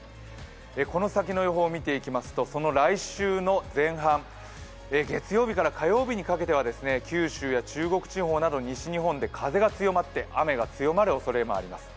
この先の予報を見ていきますとその来週の前半、月曜日から火曜日にかけて九州や中国地方では西日本で風が強まって雨が強まるおそれがあります。